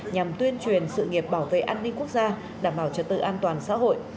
nhằm tuyên truyền sự nghiệp bảo vệ an ninh quốc gia đảm bảo trật tự an toàn xã hội